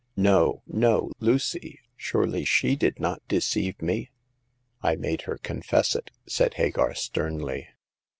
No, no ! Lucy— surely she did not deceive me?" " I made her confess it," said Hagar, sternly.